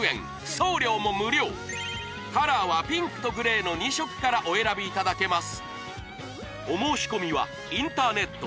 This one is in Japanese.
送料も無料カラーはピンクとグレーの２色からお選びいただけます